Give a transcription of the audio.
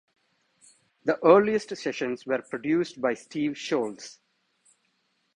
The earliest sessions were produced by Steve Sholes.